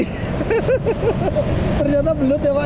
ternyata belut ya pak